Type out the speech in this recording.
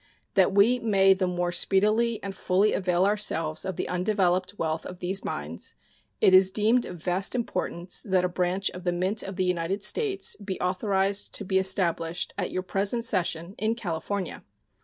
That we may the more speedily and fully avail ourselves of the undeveloped wealth of these mines, it is deemed of vast importance that a branch of the Mint of the United States be authorized to be established at your present session in California.